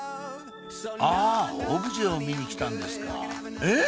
あオブジェを見にきたんですかえっ